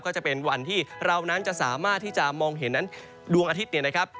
ก็จะเป็นวันที่เรานั้นจะสามารถที่จะมองเห็นนั้นดวงอาทิตย์เนี่ยนะครับ